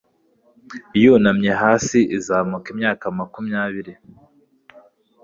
Yunamye hasi izamuka imyaka makumyabiri